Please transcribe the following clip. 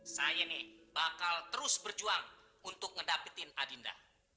saya nih bakal terus berjuang untuk ngedapetin adinda